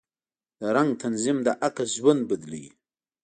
د رنګ تنظیم د عکس ژوند بدلوي.